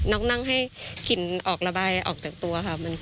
นั่งให้กลิ่นออกระบายออกจากตัวค่ะ